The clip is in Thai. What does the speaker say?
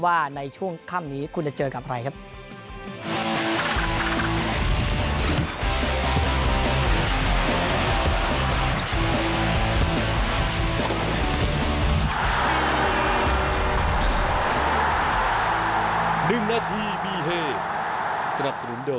ว่าในช่วงค่ำนี้คุณจะเจอกับใครครับ